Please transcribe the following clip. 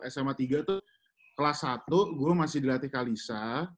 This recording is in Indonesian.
sma tiga tuh kelas satu gue masih dilatih kalisa